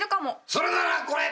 「それならこれ。